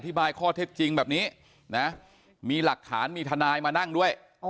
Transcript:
บายข้อเท็จจริงแบบนี้นะมีหลักฐานมีทนายมานั่งด้วย